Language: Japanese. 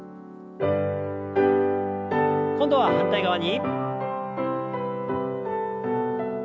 今度は反対側に。